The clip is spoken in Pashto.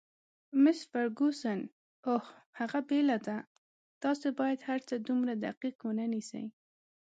مس فرګوسن: اوه، هغه بېله ده، تاسي باید هرڅه دومره دقیق ونه نیسئ.